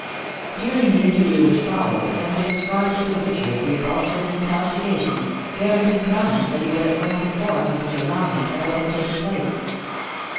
During the interview which followed, and which was fraught with the witchery of repulsion and intoxication, Barrington promised that he would at once inform Mr. Longleat of what had taken place.